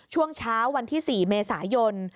ช่วงเช้าวันที่๔เมษายน